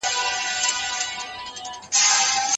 چاپېريال هم رول لري.